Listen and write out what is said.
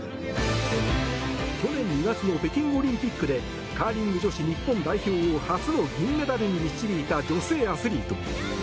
去年２月の北京オリンピックでカーリング女子日本代表を初の銀メダルに導いた女性アスリート。